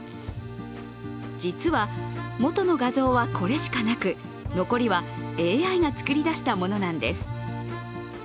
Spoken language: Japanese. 実は、元の画像はこれしかなく残りはＡＩが作り出したものなんです。